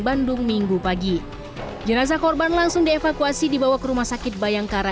bandung minggu pagi jenazah korban langsung dievakuasi dibawa ke rumah sakit bayangkara